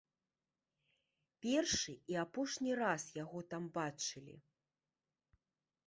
Першы і апошні раз яго там бачылі.